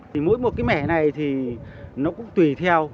thì mỗi một cái mẻ này thì nó cũng tùy theo